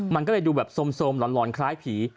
มันก็เลยดูแบบสมหลอนคล้ายผี